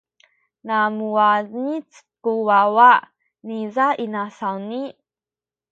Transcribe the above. na muwangic ku wawa niza inasawni.